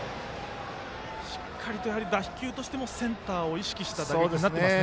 しっかりと打球としてもセンターを意識した打球になっています。